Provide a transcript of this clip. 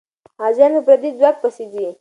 غازيان په پردي ځواک پسې ځي.